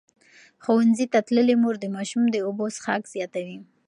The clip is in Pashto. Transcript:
ښوونځې تللې مور د ماشوم د اوبو څښاک زیاتوي.